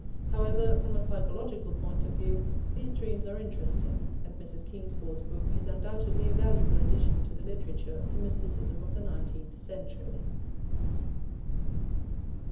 However, from a psychological point of view, these dreams are interesting, and Mrs. Kingsford's book is undoubtedly a valuable addition to the literature of the mysticism of the nineteenth century.